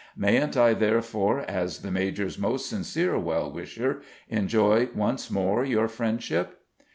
Mayn't I, therefore, as the major's most sincere well wisher, enjoy once more your friendship?"